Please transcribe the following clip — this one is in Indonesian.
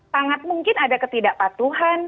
sangat mungkin ada ketidakpatuhan